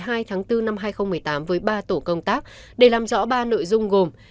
đoàn thanh tra lần bốn năm hai nghìn một mươi tám với ba tổ công tác để làm rõ ba nội dung gồm